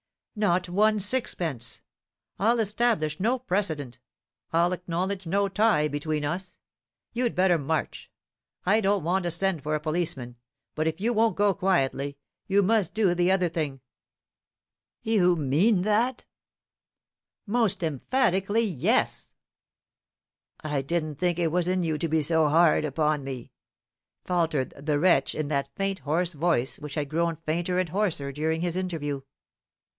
"Not one sixpence. I'll establish no precedent; I'll acknowledge no tie between us. You'd better march. I don't want to send for a policeman; but if you won't go quietly, you must do the other thing." "You mean that?" "Most emphatically yes." "I didn't think it was in you to be so hard upon me," faltered the wretch in that faint hoarse voice which had grown fainter and hoarser during this interview.